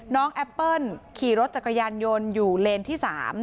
แอปเปิ้ลขี่รถจักรยานยนต์อยู่เลนที่๓